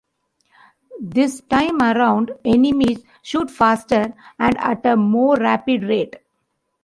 This time around, enemies shoot faster and at a more rapid rate.